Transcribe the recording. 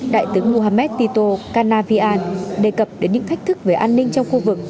đại tướng mohamed tito kanavian đề cập đến những thách thức về an ninh trong khu vực